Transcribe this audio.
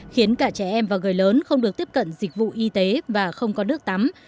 khiến cả trẻ em và người lớn không được tiếp cận dịch vụ y tế và không có nước tắm